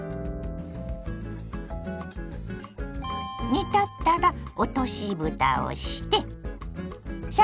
煮立ったら落としぶたをしてさらにふた。